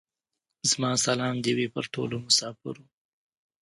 زما سلام دي وې پر ټولو مسافرو.